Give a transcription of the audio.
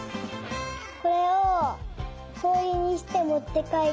これをこおりにしてもってかえりたい。